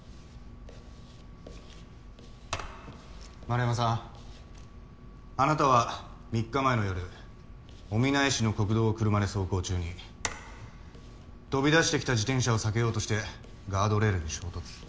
円山さんあなたは３日前の夜おみなえ市の国道を車で走行中に飛び出してきた自転車を避けようとしてガードレールに衝突。